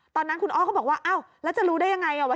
ตอนนั้นคุณอ้อก็บอกว่าอ้าวแล้วจะรู้ได้ยังไง